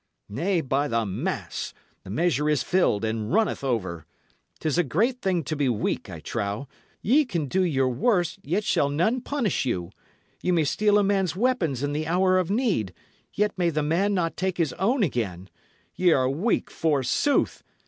Nay, by the mass! the measure is filled, and runneth over. 'Tis a great thing to be weak, I trow: ye can do your worst, yet shall none punish you; ye may steal a man's weapons in the hour of need, yet may the man not take his own again; y' are weak, forsooth!